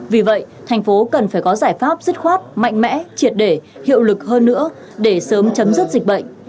vì vậy thành phố cần phải có giải pháp dứt khoát mạnh mẽ triệt để hiệu lực hơn nữa để sớm chấm dứt dịch bệnh